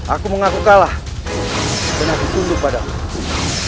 aku mengakukahlah pernah ditunduk padamu